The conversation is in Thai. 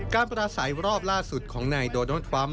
การประสาทรอบล่าสุดของไนโดนอล์ททวัมพ์